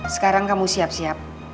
sekarang kamu siap siap